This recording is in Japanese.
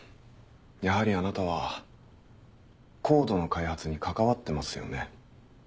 やはりあなたはＣＯＤＥの開発に関わってますよね？